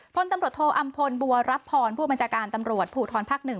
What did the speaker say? พตโทอำพลบัวรับพรผู้บันจากาลตำรวจผู้ทรพภหนึ่ง